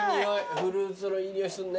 フルーツのいい匂いするね。